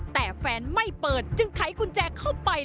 แต่แฟนไม่เปิดจึงไขกุญแจเข้าไป